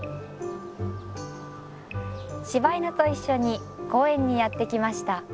柴犬と一緒に公園にやって来ました。